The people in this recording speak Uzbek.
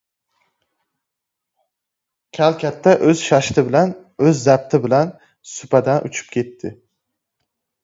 Kal katta o‘z shashti bilan, o‘z zabti bilan supadan uchib ketdi.